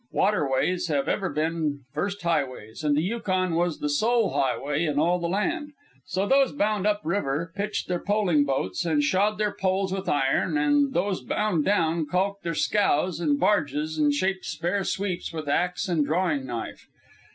Waterways have ever been first highways, and the Yukon was the sole highway in all the land. So those bound up river pitched their poling boats and shod their poles with iron, and those bound down caulked their scows and barges and shaped spare sweeps with axe and drawing knife.